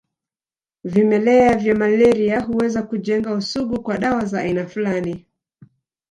Vimelea vya malaria huweza hujenga usugu kwa dawa za aina fulani